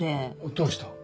どうした？